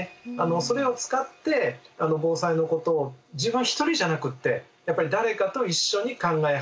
それを使って防災のことを自分一人じゃなくってやっぱり誰かと一緒に考え始める。